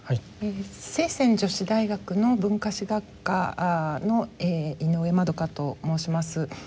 清泉女子大学の文化史学科の井上まどかと申します。